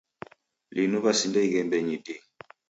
Linu wasinda ighembenyi dii.